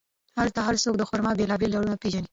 هلته هر څوک د خرما بیلابیل ډولونه پېژني.